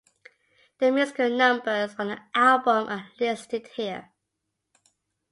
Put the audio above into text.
The musical numbers on the album are listed here.